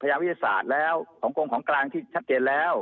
ยาวิทยาศาสตร์แล้วของกรงของกลางที่ชัดเจนแล้ว